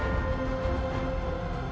xin hẹn gặp lại